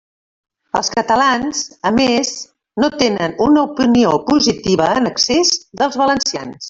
Els catalans, a més, no tenen una opinió positiva en excés dels valencians.